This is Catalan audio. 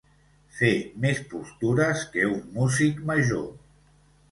Fer més postures que un músic major.